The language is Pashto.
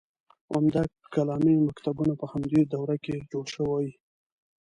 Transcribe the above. عمده کلامي مکتبونه په همدې دوره کې جوړ شوي.